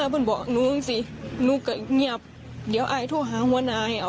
คุณพี่บอกครับด้านหน้า